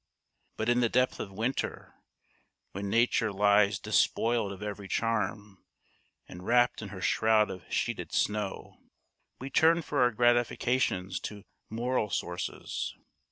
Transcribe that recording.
But in the depth of winter, when nature lies despoiled of every charm, and wrapped in her shroud of sheeted snow, we turn for our gratifications to moral sources.